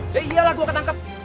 ya iyalah gue ketangkep